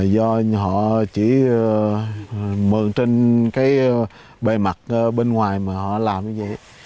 do họ chỉ mượn trên cái bề mặt bên ngoài mà họ làm như vậy